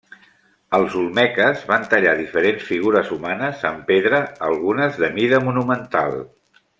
Els olmeques van tallar diferents figures humanes en pedra, algunes de mida monumental.